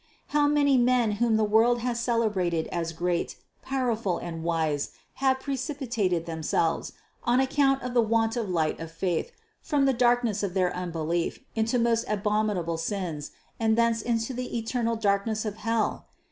How many men whom the world has celebrated as great, powerful and wise have precipitated themselves, on account of the want of light of faith, from the darkness of their unbelief into most abominable sins, and thence into the eternal darkness of hell